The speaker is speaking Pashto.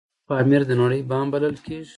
آیا پامیر د نړۍ بام بلل کیږي؟